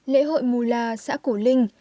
lễ hội mù la xã cổ linh